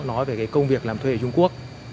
nói về công việc làm thuê ở trung quốc